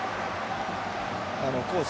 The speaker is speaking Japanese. コース